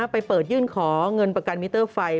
ไปเปิดยื่นขอเงินประกันมิเตอร์ไฟ